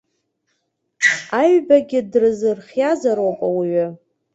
Аҩбагьы дырзыхиазароуп ауаҩы.